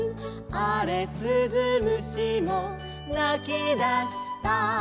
「あれすず虫もなきだした」